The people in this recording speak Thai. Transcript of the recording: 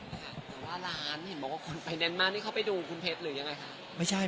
แต่ว่าร้านเห็นบอกว่าคนไปแน่นมากนี่เข้าไปดูคุณเพชรหรือยังไงคะ